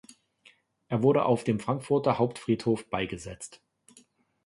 Er wurde auf dem Frankfurter Hauptfriedhof beigesetzt.